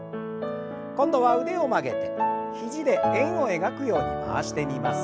今度は腕を曲げて肘で円を描くように回してみます。